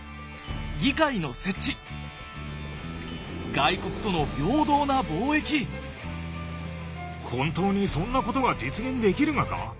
外国との本当にそんなことが実現できるがか？